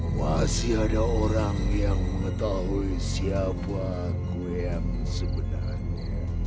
masih ada orang yang mengetahui siapa aku yang sebenarnya